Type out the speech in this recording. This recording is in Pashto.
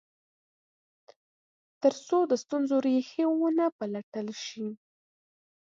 تر څو د ستونزو ریښې و نه پلټل شي.